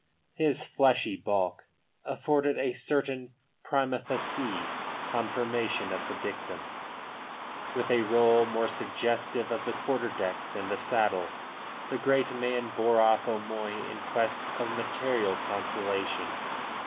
His fleshy bulk afforded a certain prima facie confirmation of the dictum. With a roll more suggestive of the quarter deck than the saddle, the great man bore off O'Moy in quest of material consolation.